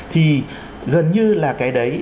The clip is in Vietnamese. thì gần như là cái đấy